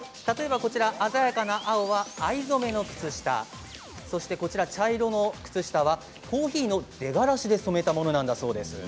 鮮やかな青は藍染めの靴下茶色の靴下はコーヒーの出がらしで染めたものなんだそうです。